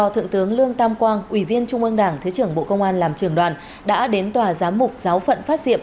thượng tướng lương tam quang ủy viên trung ương đảng thứ trưởng bộ công an làm trưởng đoàn đã đến tòa giám mục giáo phận phát diệm